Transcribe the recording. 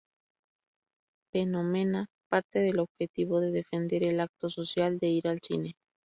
Phenomena parte del objetivo de defender el "acto social" de ir al cine.